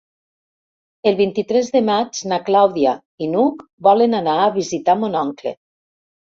El vint-i-tres de maig na Clàudia i n'Hug volen anar a visitar mon oncle.